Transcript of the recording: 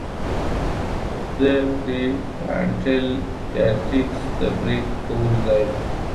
د پریفرانټل کارټېکس د پرېکړې کولو ځای دی.